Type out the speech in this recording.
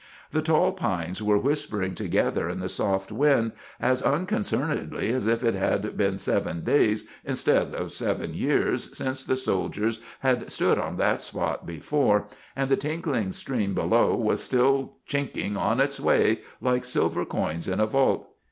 The tall pines were whispering together in the soft wind as unconcernedly as if it had been seven days instead of seven years since the soldiers had stood on that spot before, and the tinkling stream below was still chinking on its way like silver coins in a vault.